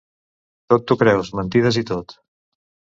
Tot t'ho creus, mentides i tot.